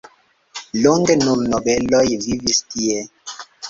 Longe nur nobeloj vivis tie.